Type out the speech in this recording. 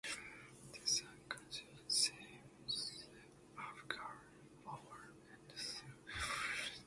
The song contains themes of girl power and self empowerment.